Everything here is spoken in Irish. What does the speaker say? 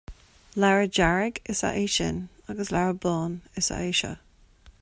Leabhar dearg is ea é sin, agus leabhar bán is ea é seo